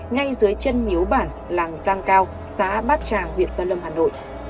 ngay dưới chân miếu bản làng giang cao xã bát tràng huyện gia lâm hà nội